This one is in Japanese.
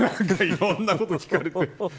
いろんなこと聞かれて。